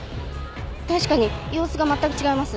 確かに様子が全く違います。